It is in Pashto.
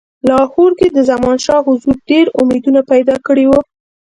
د لاهور کې د زمانشاه حضور ډېر امیدونه پیدا کړي وه.